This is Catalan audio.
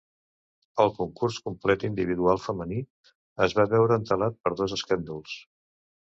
El concurs complet individual femení es va veure entelat per dos escàndols.